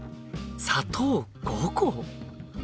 砂糖５個！